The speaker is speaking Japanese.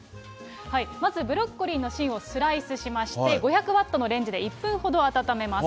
まずブロッコリーの芯をスライスしまして、５００ワットのレンジで１分ほど温めます。